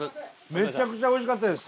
めちゃくちゃおいしかったです。